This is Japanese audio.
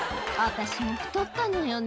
私も太ったのよね。